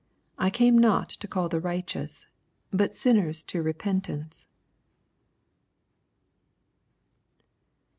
82 I came not to call the righteous, but sinners to repentance.